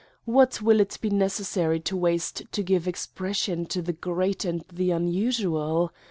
What will it be necessary to waste to give expression to the great and the unusual?